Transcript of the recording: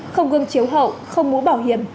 không gương chiếu hậu không mũ bảo hiểm